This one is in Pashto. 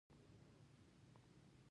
تیمور شاه ناخوښي څرګنده کړې وه.